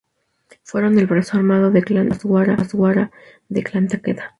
Fueron el brazo armado del clan Ogasawara y del clan Takeda.